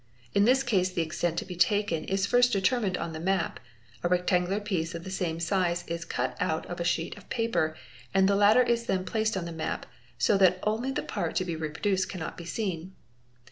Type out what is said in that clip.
In this case the extent to be taken. is first determined on the map, a rectangular piece of the same size is cut out of a sheet of paper and the latter is then placed on the map so that only the part to be re sproduced cannot be seen.